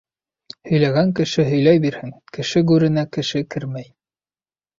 Һөйләгән кеше һөйләй бирһен, кеше гүренә кеше кермәй.